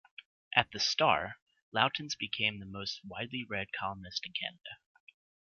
At the "Star", Lautens became the most widely read columnist in Canada.